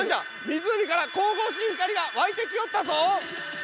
湖から神々しい光が湧いてきよったぞ。